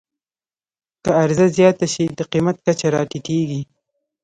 که عرضه زیاته شي، د قیمت کچه راټیټېږي.